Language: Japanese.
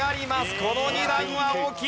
この２段は大きい。